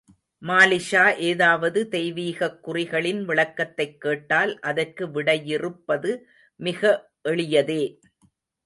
மாலிக்ஷா ஏதாவது தெய்வீகக் குறிகளின் விளக்கத்தைக் கேட்டால், அதற்கு விடையிறுப்பது மிக எளியதே!